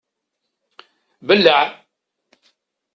Belleɛ!